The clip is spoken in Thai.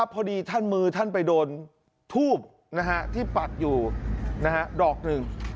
พอดีท่านมือท่านไปโดนทูบที่ปักอยู่ดอกหนึ่ง